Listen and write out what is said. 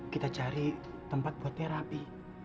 kita cari tempat buat terapi